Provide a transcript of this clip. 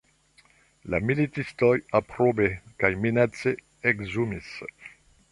La militistoj aprobe kaj minace ekzumis.